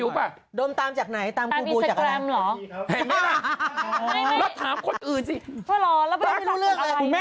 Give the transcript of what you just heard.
รู้จักไหมโดมรู้จักไหม